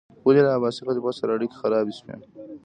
ولې له عباسي خلیفه سره اړیکې خرابې شوې؟